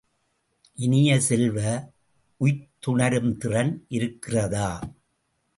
இனிய செல்வ, உய்த்துணரும் திறன் இருக்கிறதா?